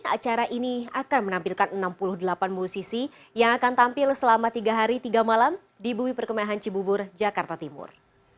acara ini akan menampilkan enam puluh delapan musisi yang akan tampil selama tiga hari tiga malam di bumi perkembangan cibubur jakarta timur